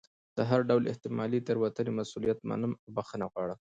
د هر ډول احتمالي تېروتنې مسؤلیت منم او بښنه غواړم.